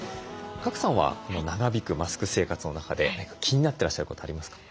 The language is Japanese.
賀来さんはこの長引くマスク生活の中で何か気になってらっしゃることありますか？